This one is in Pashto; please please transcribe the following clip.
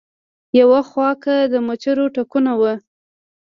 يو خوا کۀ د مچرو ټکونه وو